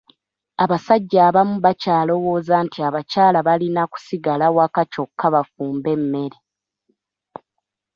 Abasajja abamu bakyalowooza nti abakyala balina kusigala waka kyokka bafumbe emmere.